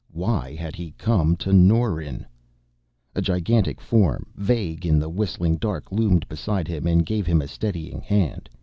Why had he come to Norren? A gigantic form, vague in the whistling dark, loomed beside him and gave him a steadying hand.